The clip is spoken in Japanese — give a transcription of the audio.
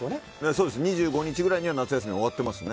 そうですね、２５日ぐらいには夏休みが終わってますね。